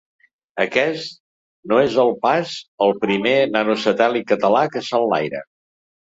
Aquest no és el pas el primer nanosatèl·lit català que s’enlaira.